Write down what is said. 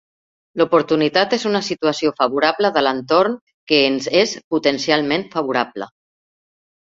L'oportunitat és una situació favorable de l'entorn que ens és potencialment favorable.